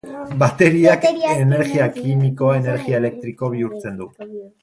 Bateriak energia kimikoa energia elektriko bihurtzen du.